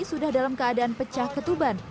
sudah dalam keadaan pecah ketuban